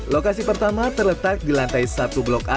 lokasi pertama terletak di lantai satu blok a